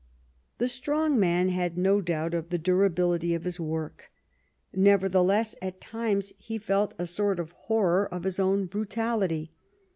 The strong man had no doubt of the durabiUty of his work ; nevertheless, at times he felt a sort of horror of his own brutality.